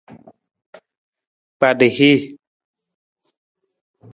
Kpada hii.